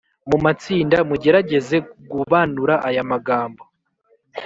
mu matsinda, mugerageze gubanura aya magambo